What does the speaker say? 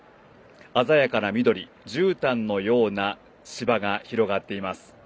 鮮やかな緑じゅうたんのような芝が広がっています。